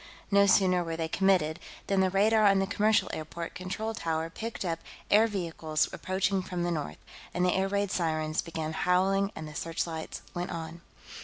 No sooner were they committed than the radar on the commercial airport control tower picked up air vehicles approaching from the north, and the air raid sirens began howling and the searchlights went on.